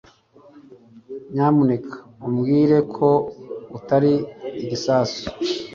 nyamuneka umbwire ko atari igisasu